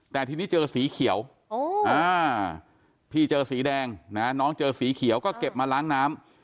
แต่ทีนี้เจอสีเขียวพี่เจอสีแดงนะน้องเจอสีเขียวก็เก็บมาล้างน้ำ